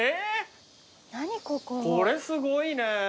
これすごいね。